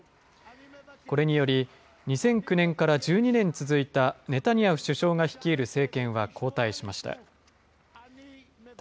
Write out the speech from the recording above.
これにより、２００９年から１２年続いたネタニヤフ首相が率いる政権は交代しました。